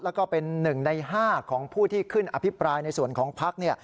แล้วก็เป็น๑ใน๕ของผู้ที่ขึ้นอภิปรายในส่วนของพัก